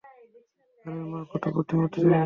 আরে মা, কত বুদ্ধিমতি তুমি!